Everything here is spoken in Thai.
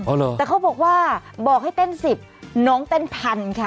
แต่เขาบอกว่าบอกให้เต้นสิบน้องเต้นพันค่ะ